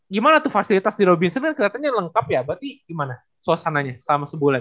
gimana tuh fasilitas di robinson kan keliatannya lengkap ya berarti gimana suasananya selama sebulan